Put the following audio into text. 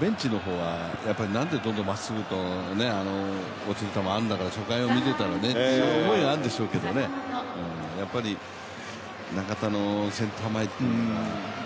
ベンチの方は、なんでまっすぐと落ちる球があるんだから、初回を見せたらという思いがあるんでしょうけどね、やっぱり中田のセンター前っていうのが。